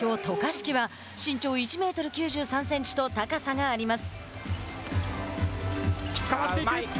渡嘉敷は身長１メートル９３センチと高さがあります。